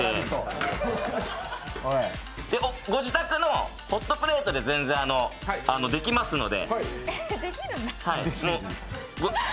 ご自宅のホットプレートで全然できますので。